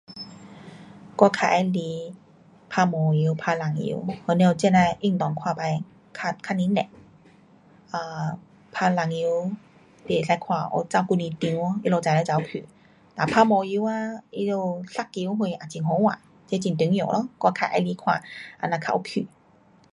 我较喜欢打毛球，打蓝球，我甭晓这呐运动看起较奇怪，um 打篮球你可以看跑那样长，他们跑来跑去，哒打毛球啊，他们杀球什，也很好看，那很重要咯，我较喜欢看，怎样较有趣。